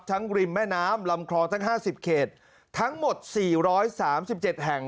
ริมแม่น้ำลำคลองทั้ง๕๐เขตทั้งหมด๔๓๗แห่ง